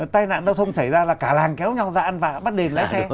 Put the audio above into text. tại nạn giao thông xảy ra là cả làng kéo nhau ra ăn vã bắt đền lái xe